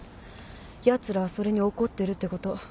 やつらはそれに怒ってるってこと。